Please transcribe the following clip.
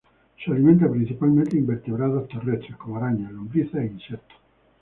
Se alimenta principalmente de invertebrados terrestres, como arañas, lombrices e insectos.